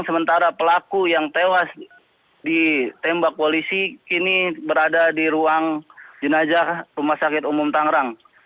sementara pelaku yang tewas ditembak polisi kini berada di ruang jenajah rumah sakit umum tangerang